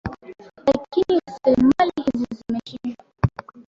lakini raslimali hizi zimeshindwa